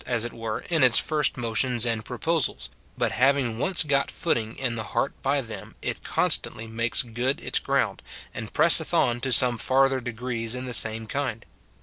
159 as it were, in its first motions and proposals, but having once got footing in the heart by them, it constantly makes good its ground, and presseth on to some farther degrees in the same kind.